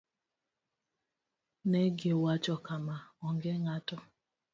Ne giwacho kama: "Onge ng'ato